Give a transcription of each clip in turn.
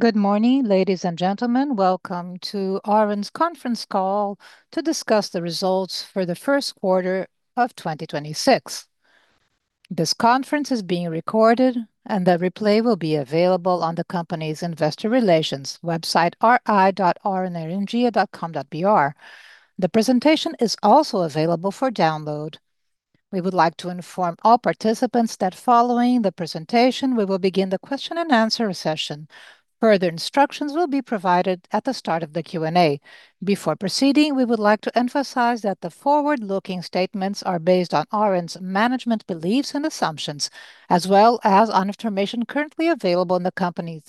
Good morning, ladies and gentlemen. Welcome to Auren's conference call to discuss the results for the first quarter of 2026. This conference is being recorded, and the replay will be available on the company's investor relations website, ri.aurenenergia.com.br. The presentation is also available for download. We would like to inform all participants that following the presentation, we will begin the question and answer session. Further instructions will be provided at the start of the Q&A. Before proceeding, we would like to emphasize that the forward-looking statements are based on Auren's management beliefs and assumptions, as well as on information currently available in the company.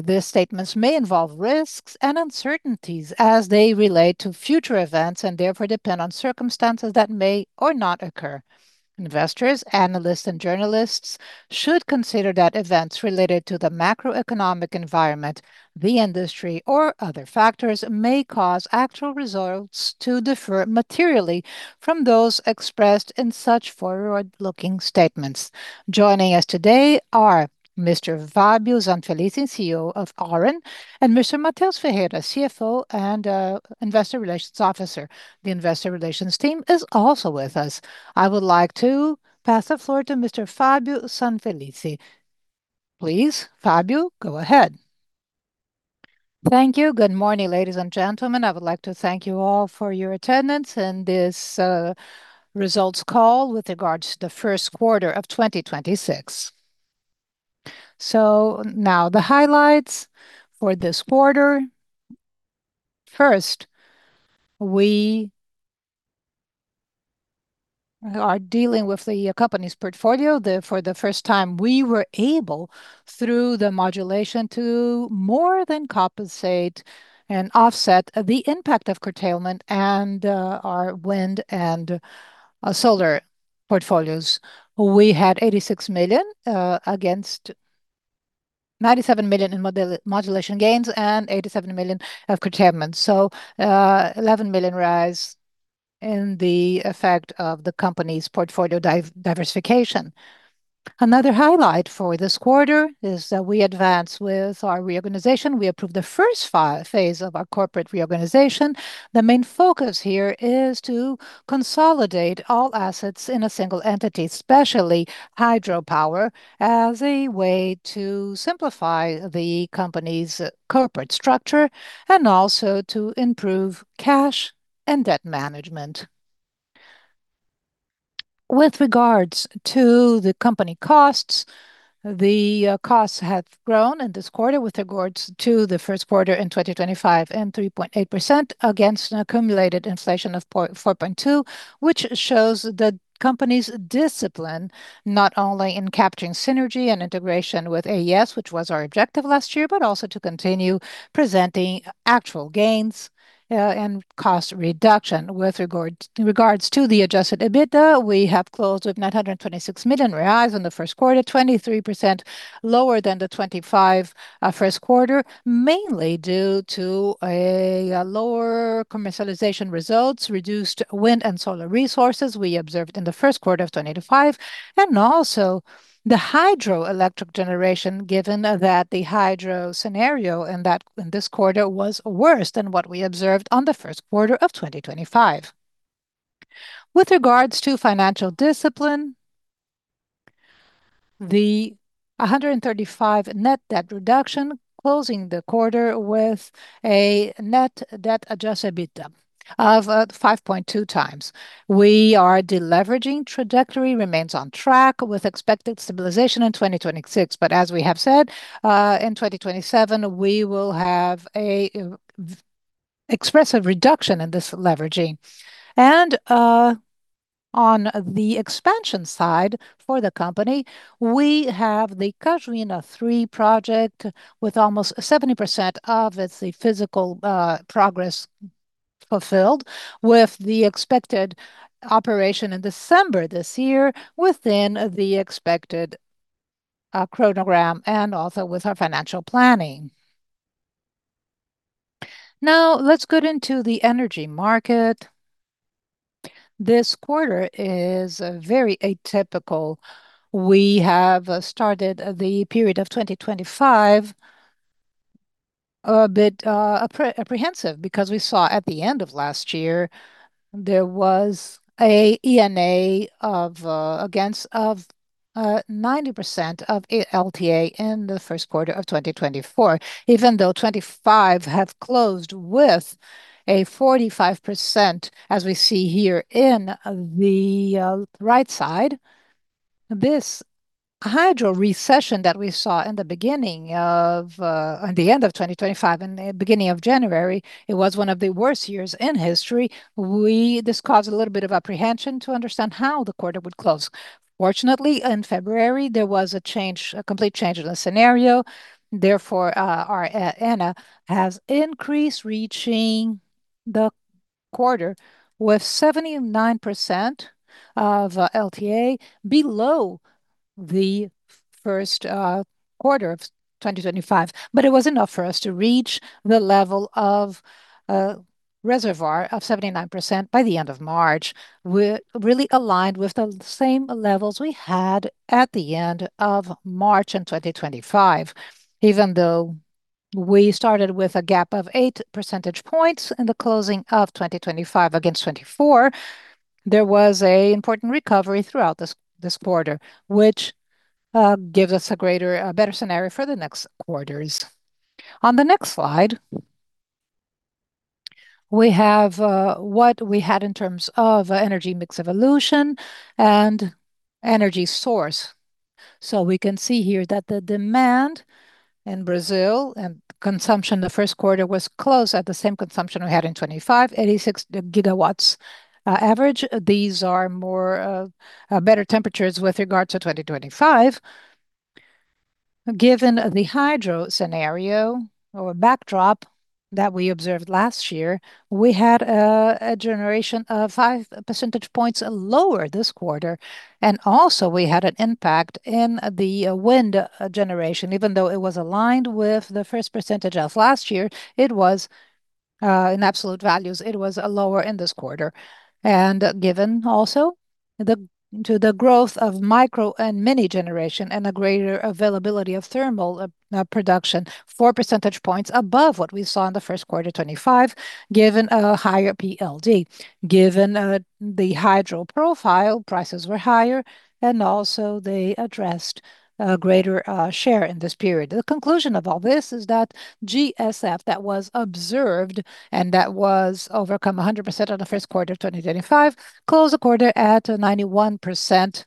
These statements may involve risks and uncertainties as they relate to future events, and therefore depend on circumstances that may or not occur. Investors, analysts, and journalists should consider that events related to the macroeconomic environment, the industry, or other factors may cause actual results to differ materially from those expressed in such forward-looking statements. Joining us today are Mr. Fabio Rogério Zanfelice, CEO of Auren Energia, and Mr. Mateus Ferreira, CFO and Investor Relations Officer. The investor relations team is also with us. I would like to pass the floor to Mr. Fabio Rogério Zanfelice. Please, Fabio, go ahead. Thank you. Good morning, ladies and gentlemen. I would like to thank you all for your attendance in this results call with regards to the first quarter of 2026. Now the highlights for this quarter. First, we are dealing with the company's portfolio. For the first time, we were able, through the modulation, to more than compensate and offset the impact of curtailment in our wind and solar portfolios. We had 86 million against 97 million in modulation gains and 87 million of curtailment. 11 million rise in the effect of the company's portfolio diversification. Another highlight for this quarter is that we advance with our reorganization. We approved the first phase of our corporate reorganization. The main focus here is to consolidate all assets in a single entity, especially hydropower, as a way to simplify the company's corporate structure and also to improve cash and debt management. With regards to the company costs, the costs have grown in this quarter with regards to the first quarter in 2025 and 3.8% against an accumulated inflation of 4.2%, which shows the company's discipline, not only in capturing synergy and integration with AES, which was our objective last year, but also to continue presenting actual gains and cost reduction. With regards to the adjusted EBITDA, we have closed with 926 million reais in the first quarter, 23% lower than the 2025 first quarter, mainly due to a lower commercialization results, reduced wind and solar resources we observed in the first quarter of 2025, and also the hydroelectric generation, given that the hydro scenario in this quarter was worse than what we observed on the first quarter of 2025. With regards to financial discipline, the 135 net debt reduction, closing the quarter with a net debt adjusted EBITDA of 5.2x. We are deleveraging. Trajectory remains on track with expected stabilization in 2026. As we have said, in 2027, we will have a expressive reduction in this leveraging. On the expansion side for the company, we have the Cajuína III project with almost 70% of its physical progress fulfilled with the expected operation in December this year within the expected chronogram and also with our financial planning. Let's get into the energy market. This quarter is very atypical. We have started the period of 2025 a bit apprehensive because we saw at the end of last year, there was a ENA of against of 90% of LTA in the first quarter of 2024. Even though 2025 have closed with a 45%, as we see here in the right side. This hydro recession that we saw in the end of 2025 and the beginning of January, it was one of the worst years in history. This caused a little bit of apprehension to understand how the quarter would close. Fortunately, in February, there was a change, a complete change in the scenario, therefore, our ENA has increased, reaching the quarter with 79% of LTA below the first quarter of 2025. It was enough for us to reach the level of reservoir of 79% by the end of March really aligned with the same levels we had at the end of March in 2025. Even though we started with a gap of eight percentage points in the closing of 2025 against 2024, there was a important recovery throughout this quarter, which gives us a greater, a better scenario for the next quarters. On the next slide, we have what we had in terms of energy mix evolution and energy source. We can see here that the demand in Brazil and consumption the first quarter was close at the same consumption we had in 2023, 86 GW average. These are more better temperatures with regard to 2023. Given the hydro scenario or backdrop that we observed last year, we had a generation of 5 percentage points lower this quarter, and also we had an impact in the wind generation. Even though it was aligned with the first percentage of last year, it was in absolute values, it was lower in this quarter. Given also the growth of micro and mini generation and a greater availability of thermal production, 4 percentage points above what we saw in the first quarter 2023, given a higher PLD. Given the hydro profile, prices were higher. Also they addressed a greater share in this period. The conclusion of all this is that GSF that was observed and that was overcome 100% on the first quarter of 2025 closed the quarter at 91%.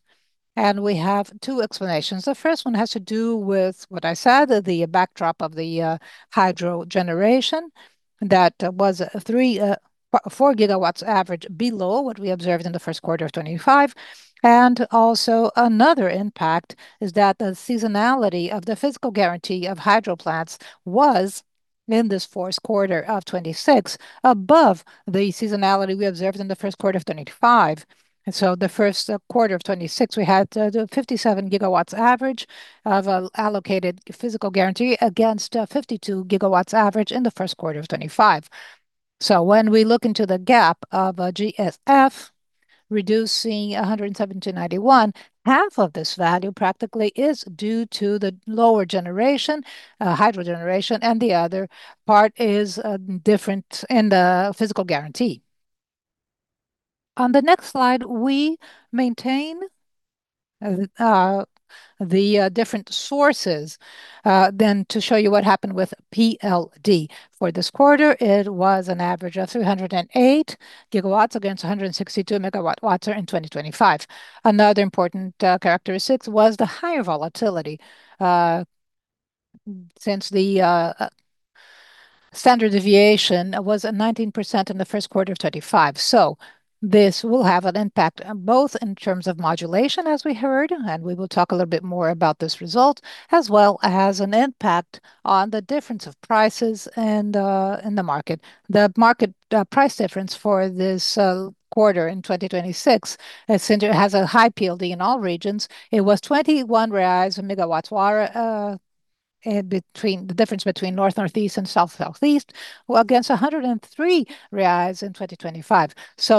We have two explanations. The first one has to do with what I said, the backdrop of the hydro generation that was 4 GW average below what we observed in the first quarter of 2025. Also another impact is that the seasonality of the physical guarantee of hydro plants was, in this fourth quarter of 2026, above the seasonality we observed in the first quarter of 2025. The first quarter of 2026 we had the 57 GW average of allocated physical guarantee against 52 GW average in the first quarter of 2025. When we look into the gap of GSF reducing 170 to 91, half of this value practically is due to the lower generation, hydro generation, and the other part is different in the physical guarantee. On the next slide, we maintain the different sources then to show you what happened with PLD. For this quarter, it was an average of 308 GW against 162 MW in 2025. Another important characteristic was the higher volatility since the standard deviation was at 19% in the first quarter of 2025. This will have an impact both in terms of modulation, as we heard, and we will talk a little bit more about this result, as well as an impact on the difference of prices in the market. The market price difference for this quarter in 2026, since it has a high PLD in all regions, it was 21 reais a MWh, the difference between North, Northeast and South, Southeast, while against 103 reais in 2025.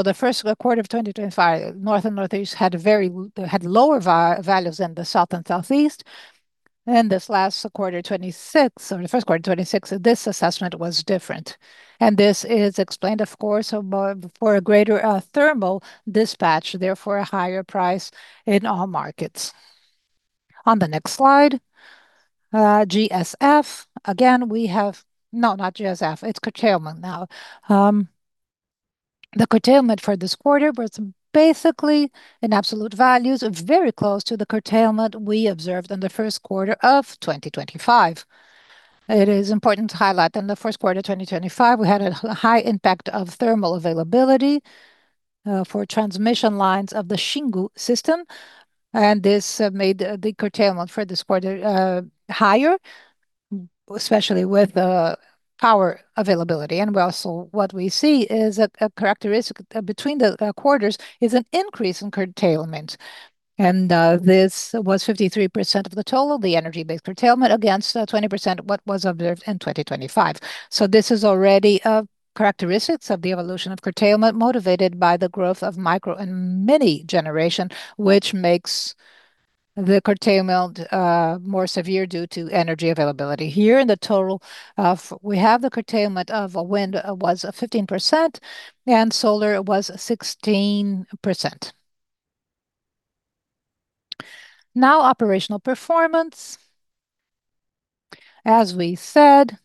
The first quarter of 2025, North and Northeast had very, had lower values than the South and Southeast. In this last quarter, 26, or the first quarter of 2026, this assessment was different. This is explained, of course, by a greater thermal dispatch, therefore a higher price in all markets. On the next slide, GSF. Again, we have No, not GSF, it's curtailment now. The curtailment for this quarter was basically in absolute values very close to the curtailment we observed in the first quarter of 2025. It is important to highlight in the first quarter of 2025 we had a high impact of thermal availability for transmission lines of the Xingu system, this made the curtailment for this quarter higher, especially with power availability. We also, what we see is a characteristic between the quarters is an increase in curtailment, this was 53% of the total, the energy-based curtailment against 20% what was observed in 2025. This is already characteristics of the evolution of curtailment motivated by the growth of micro and mini generation, which makes the curtailment more severe due to energy availability. Here in the total of, we have the curtailment of wind was 15%, and solar was 16%. Operational performance. As we said,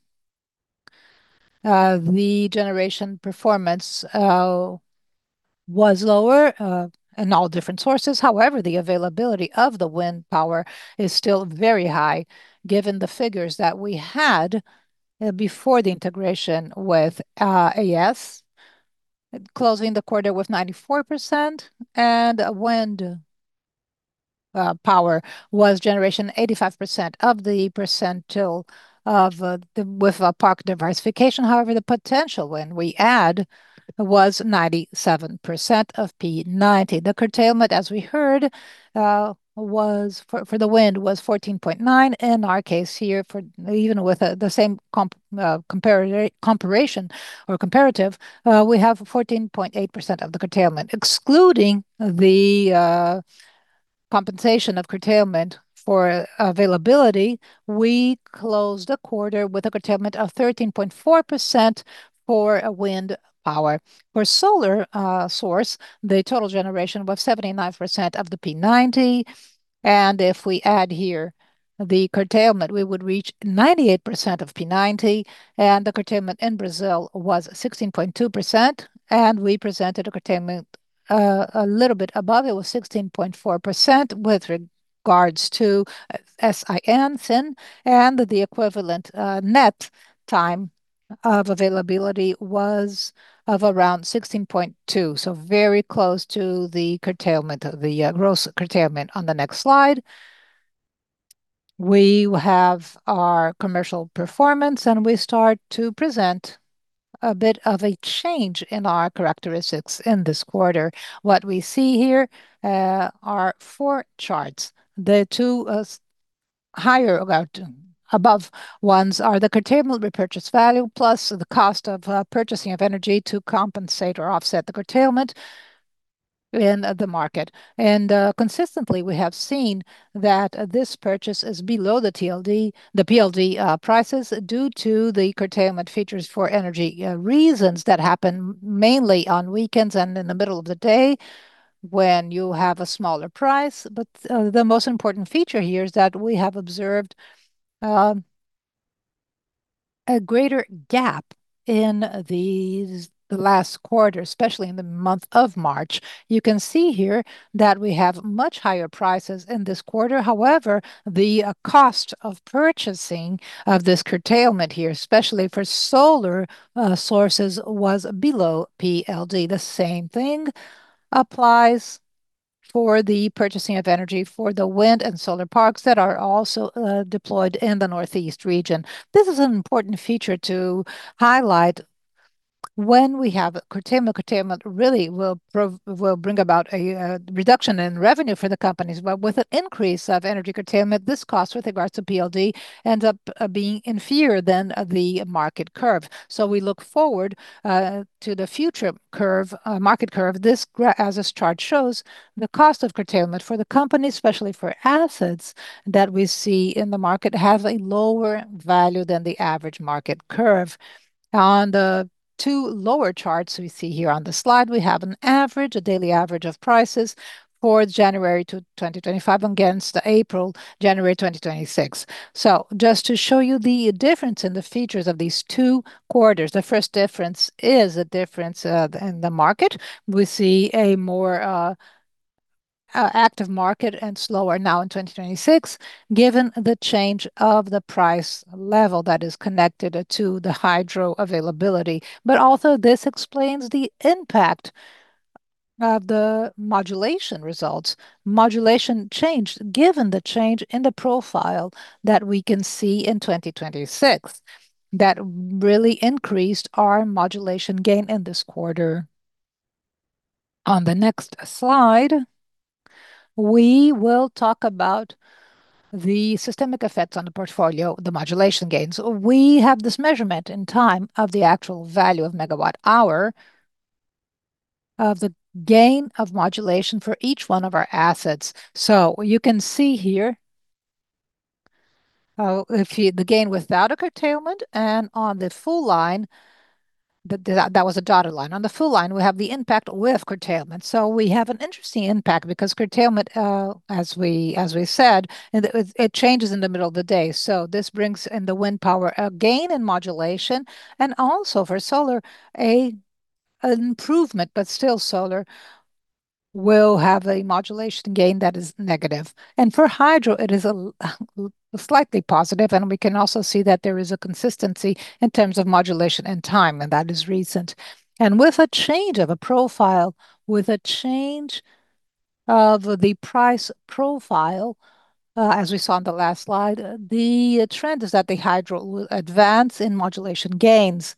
the generation performance was lower in all different sources. However, the availability of the wind power is still very high given the figures that we had before the integration with AES Brasil closing the quarter with 94%, and wind power was generation 85% of the percentile of the, with a park diversification. However, the potential when we add was 97% of P90. The curtailment, as we heard, was for the wind was 14.9%. In our case here, for even with the same comp, comparation or comparative, we have 14.8% of the curtailment. Excluding the compensation of curtailment for availability, we closed the quarter with a curtailment of 13.4% for a wind power. For solar source, the total generation was 79% of the P90, and if we add here the curtailment, we would reach 98% of P90, and the curtailment in Brazil was 16.2%, and we presented a curtailment a little bit above. It was 16.4% with regards to SIN, and the equivalent net time of availability was of around 16.2%, so very close to the curtailment, the gross curtailment. On the next slide, we have our commercial performance, and we start to present a bit of a change in our characteristics in this quarter. What we see here are four charts. The two, higher, about above ones are the curtailment repurchase value, plus the cost of purchasing of energy to compensate or offset the curtailment in the market. Consistently, we have seen that this purchase is below the PLD prices due to the curtailment features for energy reasons that happen mainly on weekends and in the middle of the day when you have a smaller price. The most important feature here is that we have observed a greater gap in these last quarter, especially in the month of March. You can see here that we have much higher prices in this quarter. However, the cost of purchasing of this curtailment here, especially for solar sources, was below PLD. The same thing applies for the purchasing of energy for the wind and solar parks that are also deployed in the Northeast region. This is an important feature to highlight when we have curtailment. Curtailment really will bring about a reduction in revenue for the companies, but with an increase of energy curtailment, this cost with regards to PLD ends up being inferior than the market curve. We look forward to the future curve, market curve. As this chart shows, the cost of curtailment for the company, especially for assets that we see in the market, have a lower value than the average market curve. On the two lower charts we see here on the slide, we have an average, a daily average of prices for January to 2025 against April, January 2026. Just to show you the difference in the features of these two quarters, the first difference is a difference in the market. We see a more active market and slower now in 2026 given the change of the price level that is connected to the hydro availability. Also this explains the impact of the modulation results. Modulation changed given the change in the profile that we can see in 2026 that really increased our modulation gain in this quarter. On the next slide, we will talk about the systemic effects on the portfolio, the modulation gains. We have this measurement in time of the actual value of megawatt-hour of the gain of modulation for each one of our assets. You can see here, if you, the gain without a curtailment, and on the full line, that was a dotted line. On the full line, we have the impact with curtailment. We have an interesting impact because curtailment, as we said, it changes in the middle of the day. This brings in the wind power a gain in modulation and also for solar, an improvement, but still solar will have a modulation gain that is negative. For hydro, it is a slightly positive, and we can also see that there is a consistency in terms of modulation and time, and that is recent. With a change of a profile, with a change of the price profile, as we saw in the last slide, the trend is that the hydro will advance in modulation gains.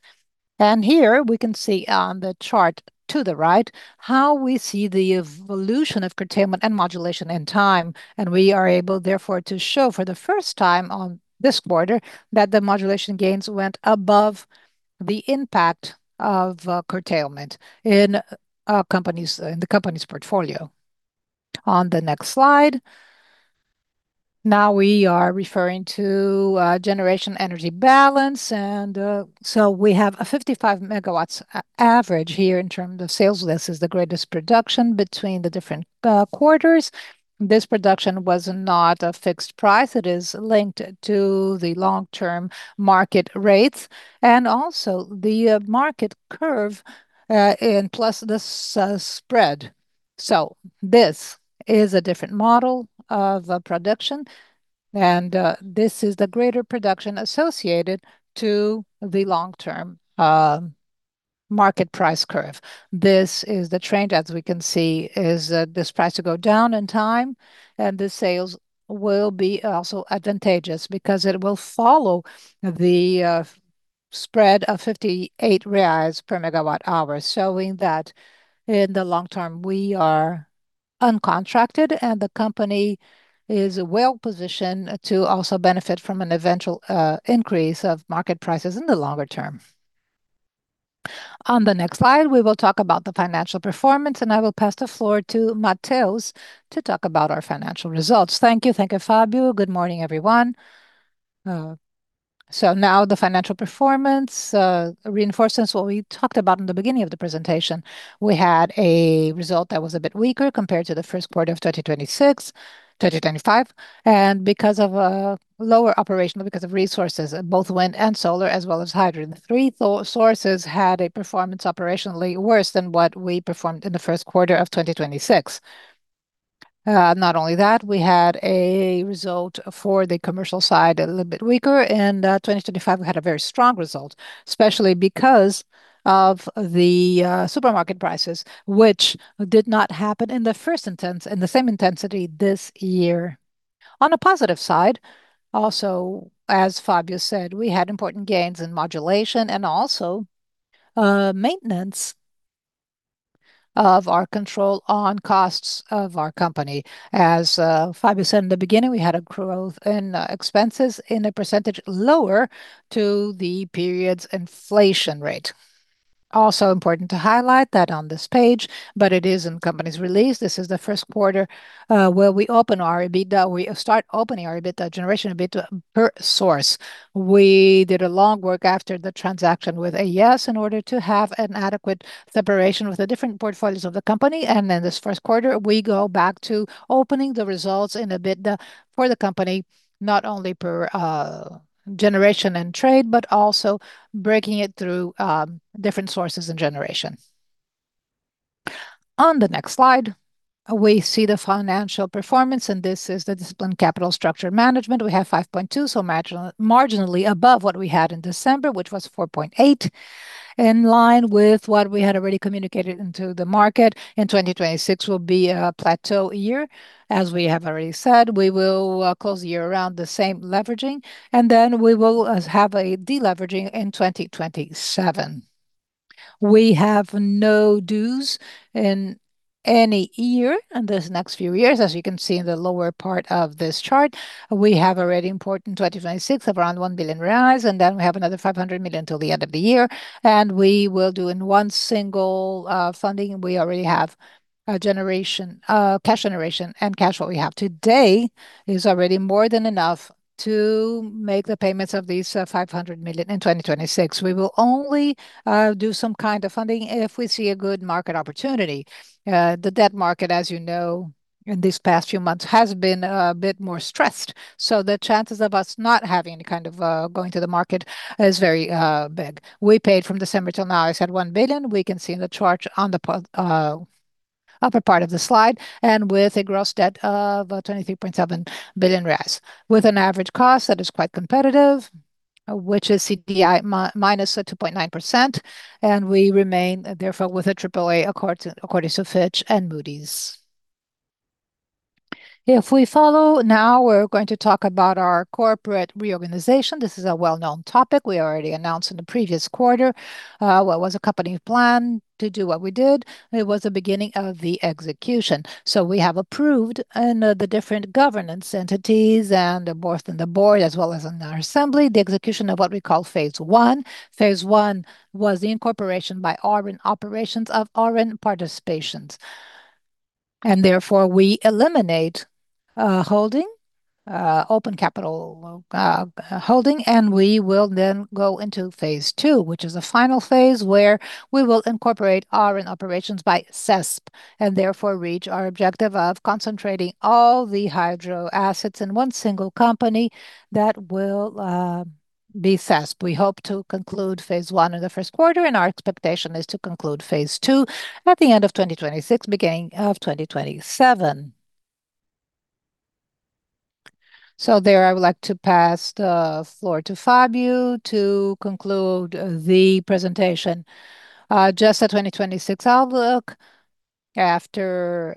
Here we can see on the chart to the right how we see the evolution of curtailment and modulation in time. We are able therefore to show for the first time on this quarter that the modulation gains went above the impact of curtailment in our company's in the company's portfolio. On the next slide, now we are referring to generation energy balance and we have a 55 MW average here in terms of sales. This is the greatest production between the different quarters. This production was not a fixed price. It is linked to the long-term market rates and also the market curve and plus this spread. This is a different model of production, and this is the greater production associated to the long-term market price curve. This is the trend, as we can see, is, this price will go down in time, and the sales will be also advantageous because it will follow the spread of 58 reais per MWh, showing that in the long term we are uncontracted, and the company is well-positioned to also benefit from an eventual increase of market prices in the longer term. On the next slide, we will talk about the financial performance, and I will pass the floor to Mateus to talk about our financial results. Thank you. Thank you, Fabio. Good morning, everyone. Now the financial performance reinforces what we talked about in the beginning of the presentation. We had a result that was a bit weaker compared to the first quarter of 2025. Because of lower operational, because of resources, both wind and solar, as well as hydro. The three sources had a performance operationally worse than what we performed in the first quarter of 2026. Not only that, we had a result for the commercial side a little bit weaker. In 2025, we had a very strong result, especially because of the supermarket prices, which did not happen in the first in the same intensity this year. On a positive side, also, as Fabio said, we had important gains in modulation and also, maintenance of our control on costs of our company. As Fabio said in the beginning, we had a growth in expenses in a percentage lower to the period's inflation rate. Also important to highlight that on this page, but it is in the company's release, this is the first quarter where we open our EBITDA. We start opening our EBITDA generation a bit per source. We did a long work after the transaction with AES Brasil in order to have an adequate separation with the different portfolios of the company, and in this first quarter, we go back to opening the results in EBITDA for the company, not only per generation and trade, but also breaking it through different sources and generation. On the next slide, we see the financial performance. This is the disciplined capital structure management. We have 5.2, so marginally above what we had in December, which was 4.8. In line with what we had already communicated into the market, 2026 will be a plateau year. As we have already said, we will close the year around the same leveraging, and then we will have a de-leveraging in 2027. We have no dues in any year in these next few years, as you can see in the lower part of this chart. We have already imported in 2026 around 1 billion reais, and then we have another 500 million till the end of the year. We will do in one single funding. We already have a generation, cash generation and cash what we have today is already more than enough to make the payments of these 500 million in 2026. We will only do some kind of funding if we see a good market opportunity. The debt market, as you know, in these past few months, has been a bit more stressed. The chances of us not having any kind of going to the market is very big. We paid from December till now, as said, 1 billion. We can see in the chart on the upper part of the slide. With a gross debt of 23.7 billion reais, with an average cost that is quite competitive, which is CDI -2.9%, and we remain therefore with a AAA according to Fitch and Moody's. If we follow, now we're going to talk about our corporate reorganization. This is a well-known topic we already announced in the previous quarter. What was a company plan to do what we did. It was the beginning of the execution. We have approved in the different governance entities and both in the board as well as in our assembly, the execution of what we call phase 1. Phase 1 was the incorporation by Auren Operações of Auren Participações, and therefore we eliminate holding open capital holding, and we will then go into phase 2, which is a final phase, where we will incorporate Auren Operações by CESP and therefore reach our objective of concentrating all the hydro assets in one single company that will be CESP. We hope to conclude phase 1 in the first quarter, and our expectation is to conclude phase 2 at the end of 2026, beginning of 2027. There I would like to pass the floor to Fabio to conclude the presentation. Just a 2026 outlook. After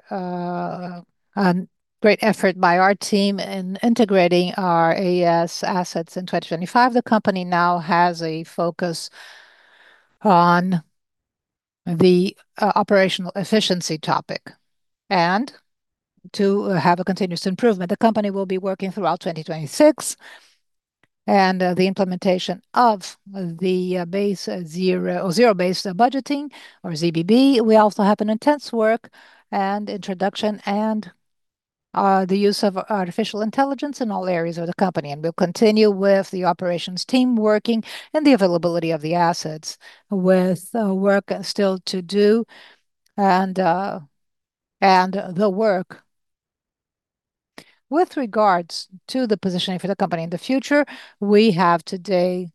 great effort by our team in integrating our AES assets in 2025, the company now has a focus on the operational efficiency topic and to have a continuous improvement. The company will be working throughout 2026 and the implementation of zero-based budgeting or ZBB. We also have an intense work and introduction and the use of artificial intelligence in all areas of the company, and we'll continue with the operations team working and the availability of the assets with work still to do and the work. With regards to the positioning for the company in the future, we have today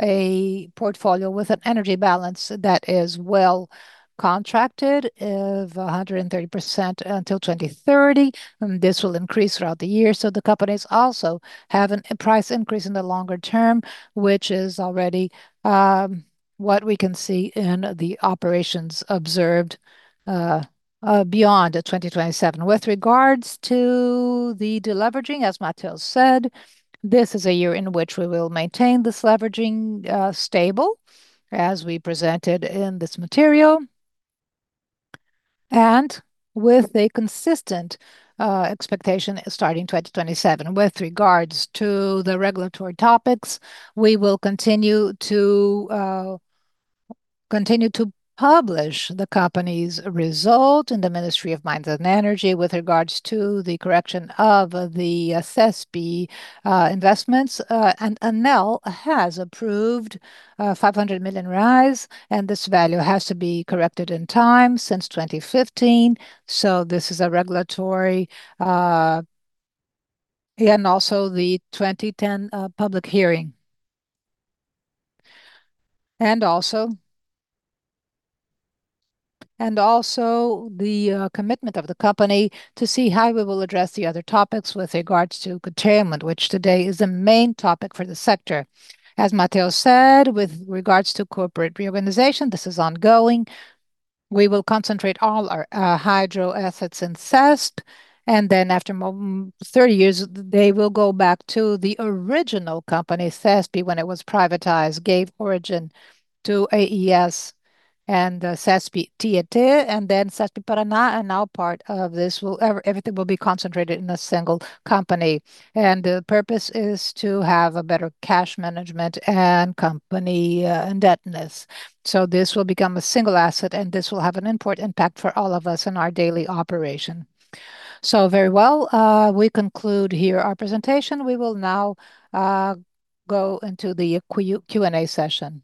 a portfolio with an energy balance that is well contracted of 130% until 2030. This will increase throughout the year. The companies also have a price increase in the longer term, which is already what we can see in the operations observed beyond 2027. With regards to the deleveraging, as Mateus said, this is a year in which we will maintain this leveraging stable, as we presented in this material. With a consistent expectation starting 2027. With regards to the regulatory topics, we will continue to publish the company's result in the Ministry of Mines and Energy with regards to the correction of the CESP investments. ANEEL has approved 500 million, and this value has to be corrected in time since 2015. Also the 2010 public hearing. Also, the commitment of the company to see how we will address the other topics with regards to curtailment, which today is the main topic for the sector. As Mateus said, with regards to corporate reorganization, this is ongoing. We will concentrate all our hydro assets in CESP, and then after 30 years, they will go back to the original company. CESP, when it was privatized, gave origin to AES and AES Tietê, and then CESP Paraná are now part of this. Everything will be concentrated in a single company. The purpose is to have a better cash management and company indebtedness. This will become a single asset, and this will have an important impact for all of us in our daily operation. Very well, we conclude here our presentation. We will now go into the Q&A session.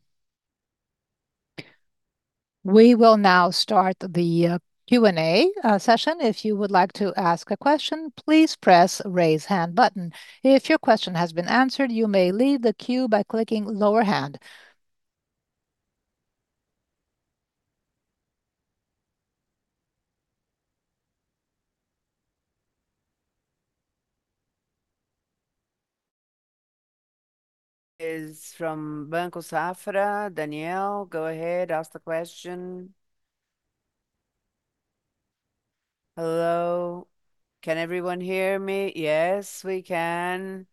We will now start the Q&A session. If you would like to ask a question, please press raise hand button. If your question has been answered, you may leave the queue by clicking lower hand. Is from Banco Safra. Danielle, go ahead, ask the question. Hello. Can everyone hear me? Yes, we can.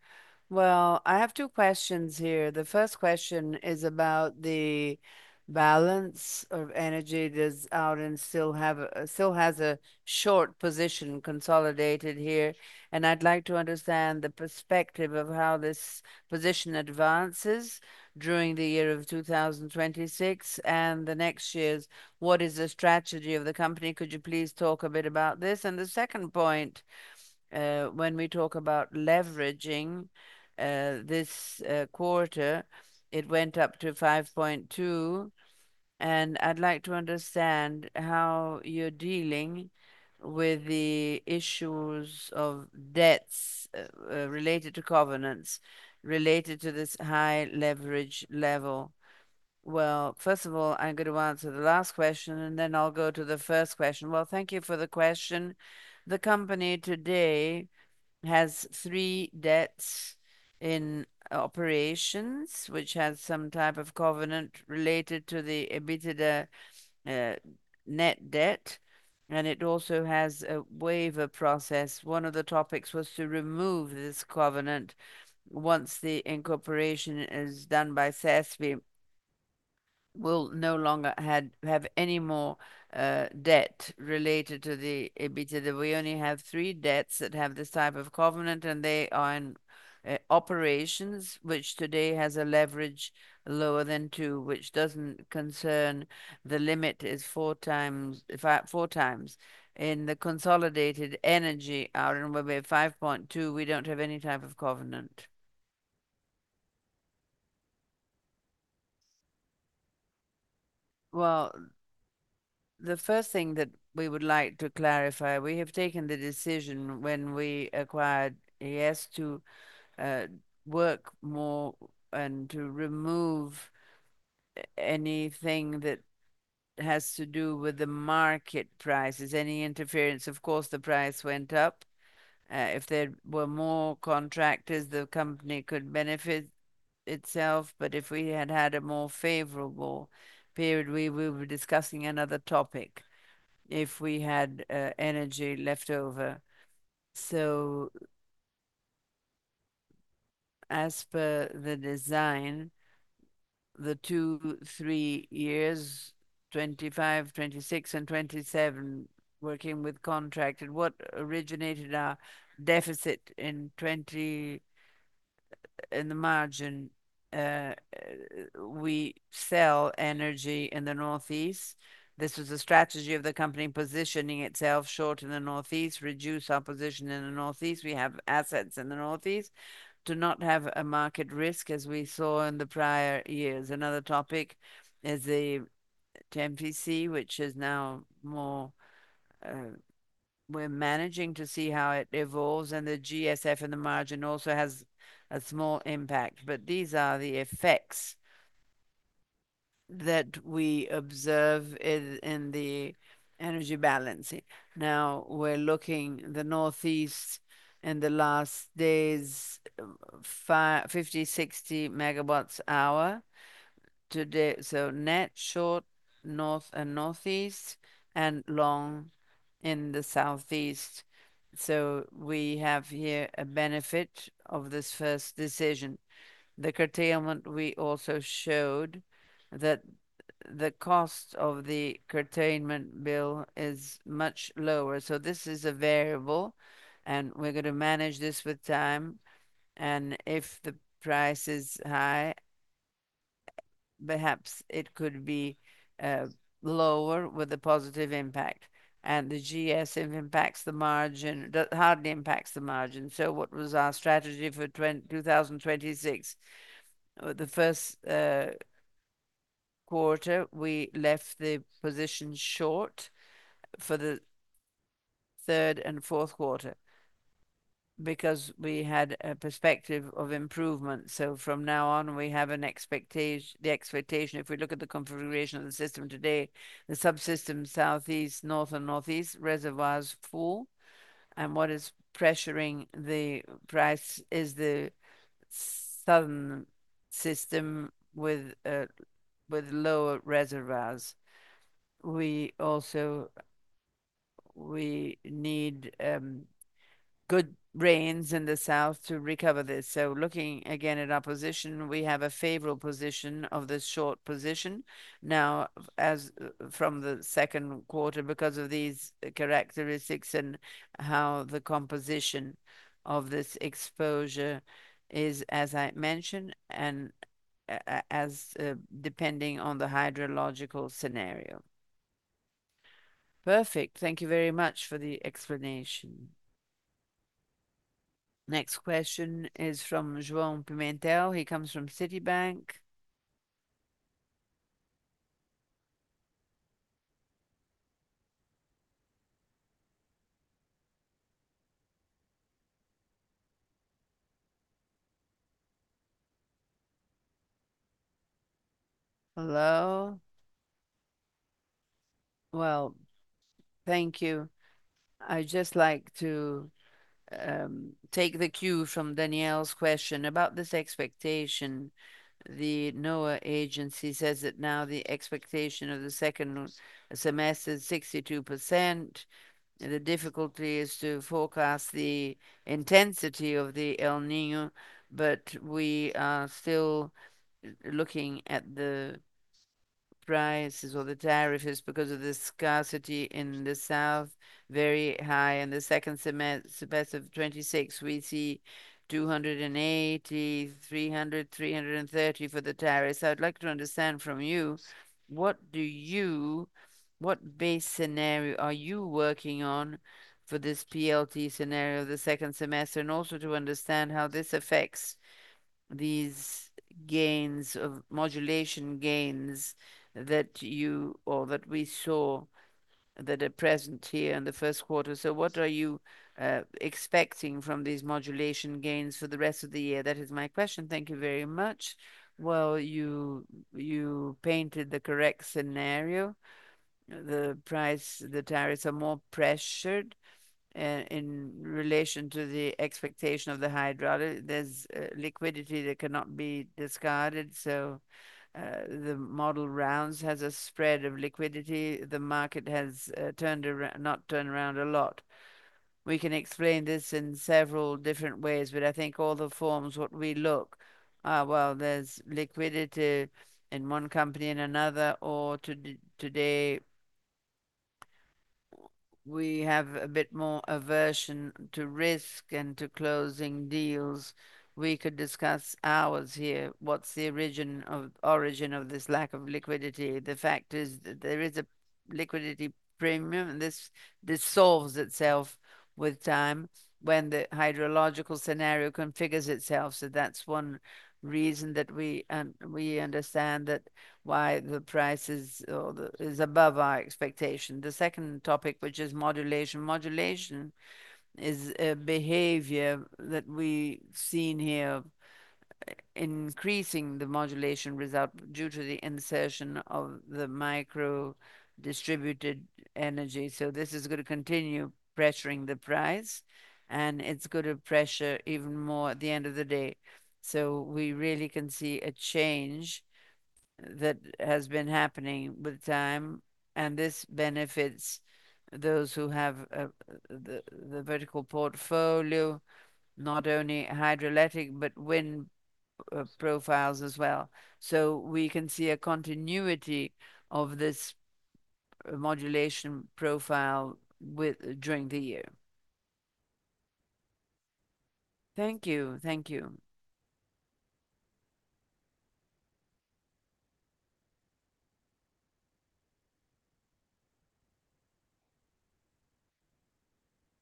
Well, I have two questions here. The first question is about the balance of energy. Does Auren still have a short position consolidated here? I'd like to understand the perspective of how this position advances during the year of 2026 and the next years. What is the strategy of the company? Could you please talk a bit about this? The second point, when we talk about leveraging, this quarter, it went up to 5.2, I'd like to understand how you're dealing with the issues of debts related to covenants, related to this high leverage level. Well, first of all, I'm going to answer the last question, then I'll go to the first question. Well, thank you for the question. The company today has three debts in operations which has some type of covenant related to the EBITDA, net debt. It also has a waiver process. One of the topics was to remove this covenant. Once the incorporation is done by CESP, we'll no longer have any more debt related to the EBITDA. We only have three debts that have this type of covenant. They are in operations, which today has a leverage lower than 2x, which doesn't concern. The limit is 4x, in fact, 4x. In the consolidated energy Auren, where we have 5.2, we don't have any type of covenant. Well, the first thing that we would like to clarify, we have taken the decision when we acquired AES to work more and to remove anything that has to do with the market prices, any interference. Of course, the price went up. If there were more contractors, the company could benefit itself. If we had had a more favorable period, we were discussing another topic, if we had energy left over. As per the design, the two, three years, 2025, 2026 and 2027, working with contract and what originated our deficit in 2020 in the margin, we sell energy in the Northeast. This was a strategy of the company positioning itself short in the Northeast, reduce our position in the Northeast, we have assets in the Northeast, to not have a market risk as we saw in the prior years. Another topic is the TMPC. We're managing to see how it evolves, and the GSF in the margin also has a small impact. These are the effects that we observe in the energy balancing. We're looking the Northeast in the last days, 50, 60 MWh. Today, net short North and Northeast and long in the Southeast. We have here a benefit of this first decision. The curtailment we also showed that the cost of the curtailment bill is much lower. This is a variable, and we're gonna manage this with time, and if the price is high, perhaps it could be lower with a positive impact. The GSF impacts the margin, hardly impacts the margin. What was our strategy for 2026? The first quarter we left the position short for the third and fourth quarter because we had a perspective of improvement. From now on, we have the expectation. If we look at the configuration of the system today, the subsystem Southeast, North and Northeast reservoirs full. What is pressuring the price is the Southern system with lower reservoirs. We also need good rains in the South to recover this. Looking again at our position, we have a favorable position of this short position now as from the second quarter because of these characteristics and how the composition of this exposure is, as I mentioned, as depending on the hydrological scenario. Perfect. Thank you very much for the explanation. Next question is from João Pimentel. He comes from Citibank. Hello? Thank you. I'd just like to take the cue from Danielle's question about this expectation. The NOAA agency says that now the expectation of the second semester is 62%. The difficulty is to forecast the intensity of the El Niño, but we are still looking at the prices or the tariffs because of the scarcity in the South, very high. In the second semester of 2026, we see 280, 300, 330 for the tariffs. I would like to understand from you, what do you, what base scenario are you working on for this PLD scenario the second semester, and also to understand how this affects these gains of, modulation gains that you or that we saw that are present here in the first quarter. What are you expecting from these modulation gains for the rest of the year? That is my question. Thank you very much. You, you painted the correct scenario. The price, the tariffs are more pressured, in relation to the expectation of the hydraulic. There's liquidity that cannot be discarded. The model rounds has a spread of liquidity. The market has not turned around a lot. We can explain this in several different ways, but I think all the forms what we look are, well, there's liquidity in one company, in another, or today we have a bit more aversion to risk and to closing deals. We could discuss hours here what's the origin of this lack of liquidity. The fact is that there is a liquidity premium, and this solves itself with time when the hydrological scenario configures itself. That's one reason that we understand that why the price is above our expectation. The second topic, which is modulation. Modulation is a behavior that we've seen here increasing the modulation due to the insertion of the micro-distributed energy. This is gonna continue pressuring the price, and it's gonna pressure even more at the end of the day. We really can see a change that has been happening with time, and this benefits those who have the vertical portfolio, not only hydroelectric, but wind profiles as well. We can see a continuity of this modulation profile during the year. Thank you. Thank you.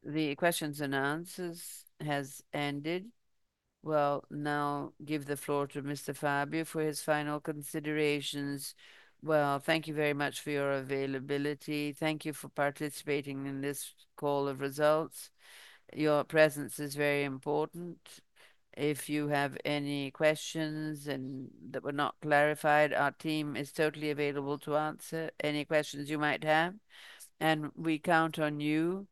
The questions and answers has ended. We'll now give the floor to Mr. Fabio for his final considerations. Thank you very much for your availability. Thank you for participating in this call of results. Your presence is very important. If you have any questions and that were not clarified, our team is totally available to answer any questions you might have. We count on you,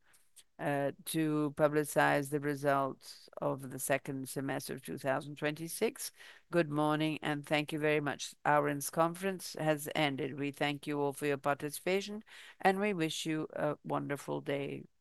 to publicize the results of the second semester of 2026. Good morning. Thank you very much. Auren's conference has ended. We thank you all for your participation. We wish you a wonderful day.